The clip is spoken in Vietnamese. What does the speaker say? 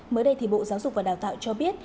mới đây thì bộ giáo dục và đào tạo cho biết